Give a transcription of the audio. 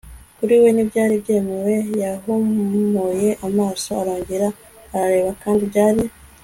kuri we. ntibyari byemewe. yahumuye amaso arongera arareba kandi byari